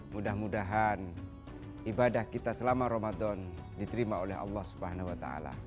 mudah mudahan ibadah kita selama ramadan diterima oleh allah swt